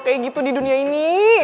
kayak gitu di dunia ini